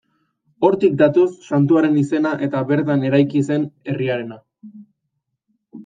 Hortik datoz santuaren izena eta bertan eraiki zen herriarena.